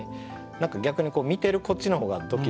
何か逆に見てるこっちの方がドキドキ。